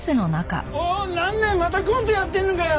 おいなんだよまたコントやってんのかよ？